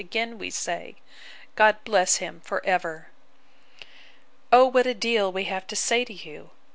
Again we say, God bless him for ever! 'O what a deal we have to say to you!